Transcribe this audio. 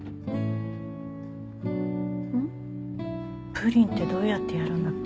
プリンってどうやってやるんだっけ？